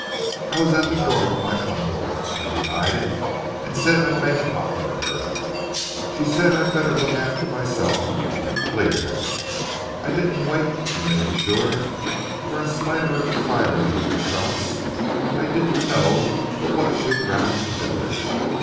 I was at the door with my bundle. I denied it, and said I'd make it hot for her. She said I'd better look after myself and cleared. I didn't wait you may be sure, for in spite of her firing the shots I didn't know but what she'd rouse the village.